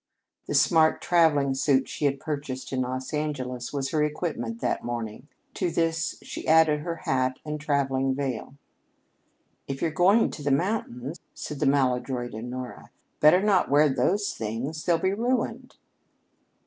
The smart traveling suit she had purchased in Los Angeles was her equipment that morning. To this she added her hat and traveling veil. "If you're going up the mountain," said the maladroit Honora, "better not wear those things. They'll be ruined."